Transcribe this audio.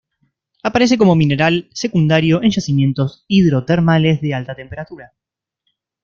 Aparece como mineral secundario en yacimientos hidrotermales de alta temperatura.